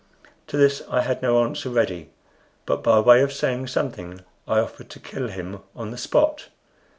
To this I had no answer ready; but by way of saying something, I offered to kill him on the spot.